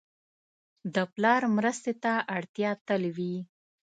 د پلار مرستې ته اړتیا تل وي.